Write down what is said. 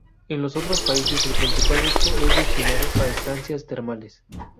En los otros países el principal uso es destinado a estancias termales.